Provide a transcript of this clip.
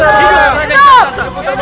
hidup raden hidup raden